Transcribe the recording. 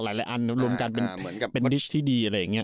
หลายอันรวมจากเป็นดิชที่ดีอะไรอย่างนี้